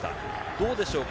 どうでしょうか？